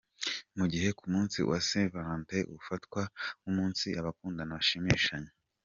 Mu gihe ku munsi wa Saint Valentin, ufatwa nk’umunsi abakundana bashimishanya.